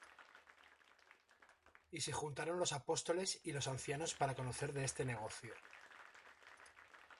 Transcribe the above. Y se juntaron los apóstoles y los ancianos para conocer de este negocio.